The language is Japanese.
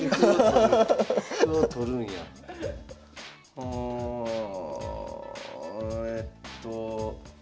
うんえっと。